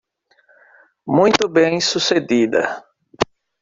Muito bem sucedida.